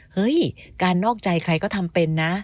เฮ้ยการนอกใจใครก็ทำเป็นนะ